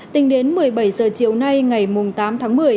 tính đến một mươi bảy h chiều nay ngày tám tháng một mươi